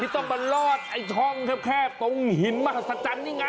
ต้องมาลอดไอ้ช่องแคบตรงหินมหัศจรรย์นี่ไง